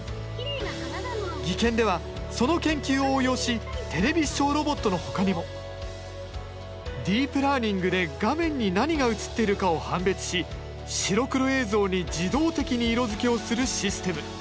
技研ではその研究を応用しテレビ視聴ロボットの他にもディープラーニングで画面に何が映っているかを判別し白黒映像に自動的に色付けをするシステム。